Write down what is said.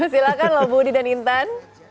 silahkan loh budi dan intan